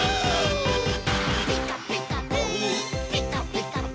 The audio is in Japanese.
「ピカピカブ！ピカピカブ！」